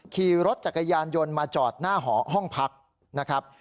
ขี่รถจักรยานยนต์มาจอดหน้าหอห้องพักนะครับ